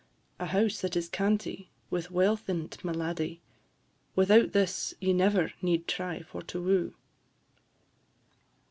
A house that is canty, with wealth in 't, my laddie? Without this ye never need try for to woo."